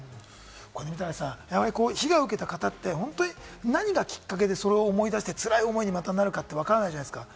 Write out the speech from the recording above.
みたらしさん、被害を受けた方って、何がきっかけでそれを思い出して、つらい思いにまたなるかわからないじゃないですか。